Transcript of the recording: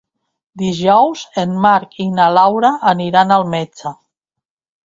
Dijous en Marc i na Laura aniran al metge.